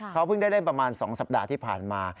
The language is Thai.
เขาเพิ่งได้เล่นประมาณ๒สัปดาห์ที่ผ่านมา